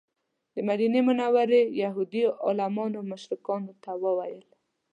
د مدینې منورې یهودي عالمانو مشرکانو ته وویل.